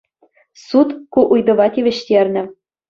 Суд ку ыйтӑва тивӗҫтернӗ.